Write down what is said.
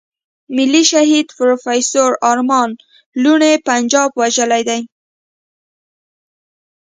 ملي شهيد پروفېسور ارمان لوڼی پنجاب وژلی دی.